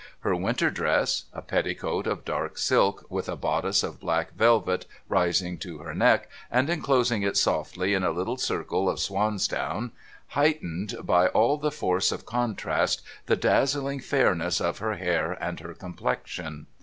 Her winter dress — a petticoat of dark silk, with a bodice of black velvet rising to her neck, and enclosing it softly in a little circle of swans down — heightened, by all the force of contrast, the dazzling fairness of her hair and her complexion.